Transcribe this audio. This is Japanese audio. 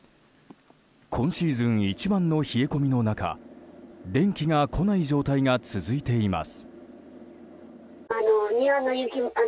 今シーズン一番の冷え込みの中電気が来ない状態が続いています。